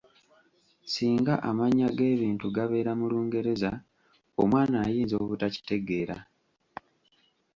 "Singa amannya g'ebintu gabeera mu Lungereza, omwana ayinza obutakitegeera."